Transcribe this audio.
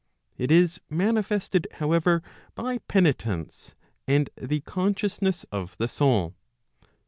It is manifested, however, by penitence and the consciousness of the soul.